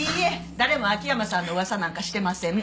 誰も秋山さんの噂なんかしてません。